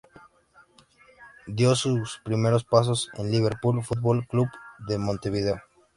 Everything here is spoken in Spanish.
Dio sus primeros pasos en Liverpool Fútbol Club de Montevideo.